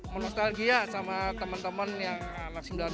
menostalgia sama teman teman yang anak sembilan puluh an